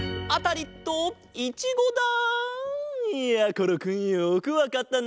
ころくんよくわかったな。